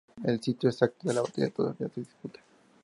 El sitio exacto de la batalla todavía se disputa.